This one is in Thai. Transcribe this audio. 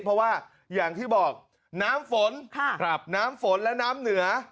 เพราะว่าอย่างที่บอกน้ำฝนน้ำฝนและน้ำเหนือ